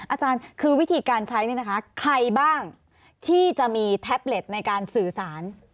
อาจารย์คือวิธีการใช้เนี่ยนะคะใครบ้างที่จะมีแท็บเล็ตในการสื่อสาร